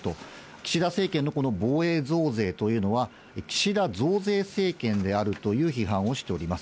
岸田政権のこの防衛増税というのは、岸田増税政権であるという批判をしております。